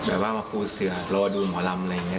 แบบว่ามาพูดเสือรอดูหมอรำอะไรอย่างนี้